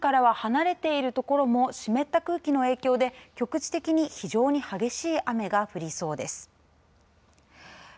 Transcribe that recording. そして、台風からは離れている所も湿った空気の影響で局地的に非常に激しい雨が降りそうです。